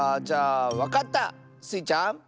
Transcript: じゃあわかった！スイちゃん。